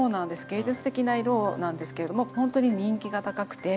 芸術的な色なんですけどもほんとに人気が高くて。